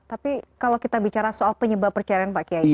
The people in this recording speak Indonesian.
tapi kalau kita bicara soal penyebab perceraian pak kiai